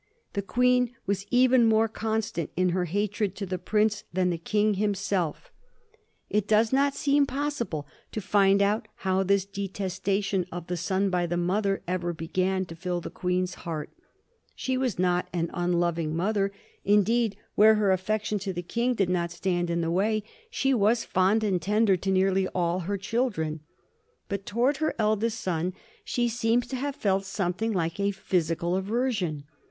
The Queen was even more constant in her hatred to the prince than the King himself. It does 1737. A FICKLE, INCONSIDERATE PRINCE. 77 not seem possible to find out how this detestation of the son by the mother ever began to fill the Queen's heart. She was not an unloving mother ; indeed, where her affec tion to the King did not stand in the way, she was fond and tender to nearly all her children. But towards her eldest son she seems to have felt something like a phys ical aversion.